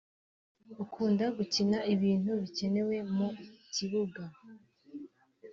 ukunda gukina ibintu bikenewe mu kibuga